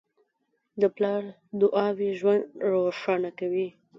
د پلار دعاوې ژوند روښانه کوي.